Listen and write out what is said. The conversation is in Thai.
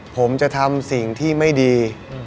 ผมจะทำสิ่งที่ไม่ดี